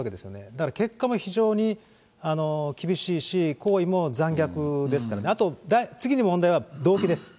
だから結果も非常に厳しいし、行為も残虐ですからね、あと、次に問題は、動機です。